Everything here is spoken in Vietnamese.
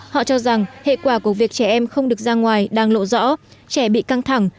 họ cho rằng hệ quả của việc trẻ em không được ra ngoài đang lộ rõ trẻ bị căng thẳng